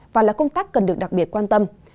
và là công tác cần được đặc biệt quan tâm